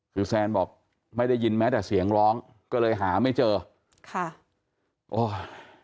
คือแซนบอกไม่ได้ยินแม้แต่เสียงร้องก็เลยหาไม่เจอค่ะโอ้ย